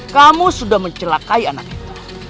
kamu sudah mencelakai anak itu